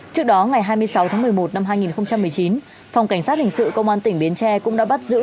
trước đó ngày hai mươi sáu tháng một mươi một năm hai nghìn một mươi chín phòng cảnh sát hình sự công an tỉnh bến tre cũng đã bắt giữ